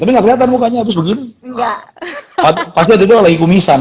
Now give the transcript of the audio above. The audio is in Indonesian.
tidak pasti itu lagi kumisan